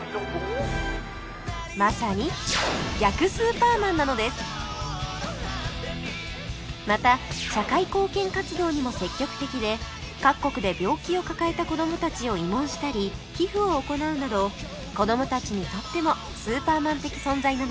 まさにまた社会貢献活動にも積極的で各国で病気を抱えた子供たちを慰問したり寄付を行うなど子供たちにとってもスーパーマン的存在なのです